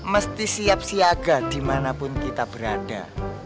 mesti siap siaga dimanapun kita berada